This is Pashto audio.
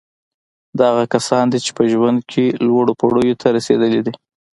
دا هغه کسان دي چې په ژوند کې لوړو پوړیو ته رسېدلي دي